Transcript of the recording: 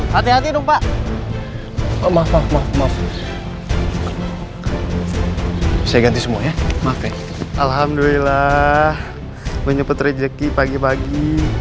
hati hati lupa maaf maaf maaf maaf saya ganti semuanya maaf ya alhamdulillah menyebut rezeki pagi pagi